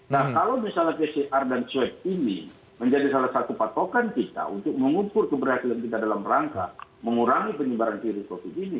nah kalau misalnya pcr dan swab ini menjadi salah satu patokan kita untuk mengukur keberhasilan kita dalam rangka mengurangi penyebaran virus covid ini